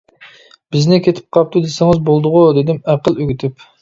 بىزنى كېتىپ قاپتۇ دېسىڭىز بولىدىغۇ دېدىم ئەقىل ئۆگىتىپ.